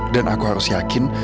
dan aku harus yakin